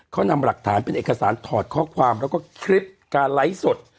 เขานำหลักฐานเป็นเอกสารถอดข้อความแล้วก็คลิปการไลฟ์สด